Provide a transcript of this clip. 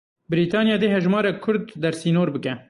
Brîtanya dê hejmarek Kurd dersînor bike.